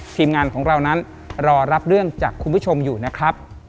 ทีมงานของเรานั้นรอรับเรื่องจากคุณผู้ชมอยู่นะครับ